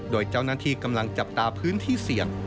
โดยเจ้าหน้าที่กำลังจับตาพื้นที่เสี่ยง